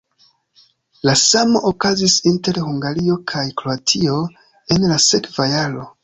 La samo okazis inter Hungario kaj Kroatio en la sekva jaro.